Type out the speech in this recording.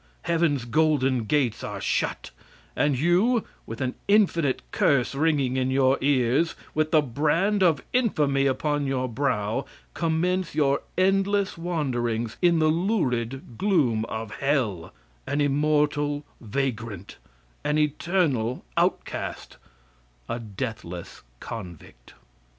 Heaven's golden gates are shut, and you, with an infinite curse ringing in your ears, with the brand of infamy upon your brow, commence your endless wanderings in the lurid gloom of hell an immortal vagrant an eternal outcast a deathless convict.